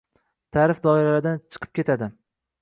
ta’rif doiralaridan chiqib ketadi